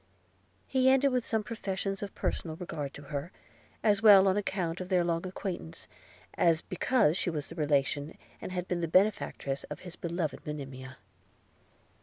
He ended with some professions of personal regard to her, as well on account of their long acquaintance, as because she was the relation, and had been the benefactress of his beloved Monimia.